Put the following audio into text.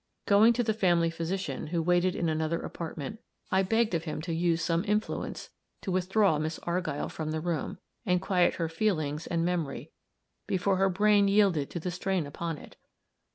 Going to the family physician, who waited in another apartment, I begged of him to use some influence to withdraw Miss Argyll from the room, and quiet her feelings and memory, before her brain yielded to the strain upon it.